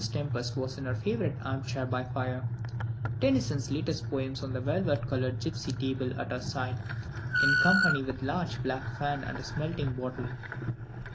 Tempest was in her favourite arm chair by the fire, Tennyson's latest poem on the velvet coloured gipsy table at her side, in company with a large black fan and a smelling bottle.